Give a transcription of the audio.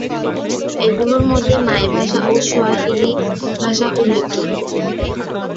এগুলির মধ্যে মায় ভাষা এবং সোয়াহিলি ভাষা উল্লেখযোগ্য।